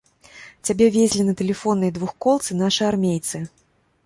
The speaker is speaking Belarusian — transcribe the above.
Цябе везлі на тэлефоннай двухколцы нашы армейцы.